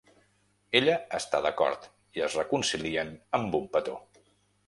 Ella està d'acord, i es reconcilien amb un petó.